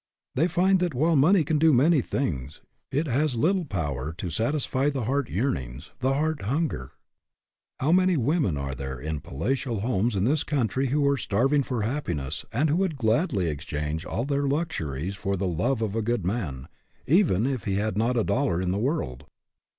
They find that, while money can do many things, it has little power to satisfy the heart yearnings, the heart hunger. How many women there are in palatial homes in this country who are starv ing for happiness and who would gladly ex change all their luxuries for the love of a good man, even if he had not a dollar in the world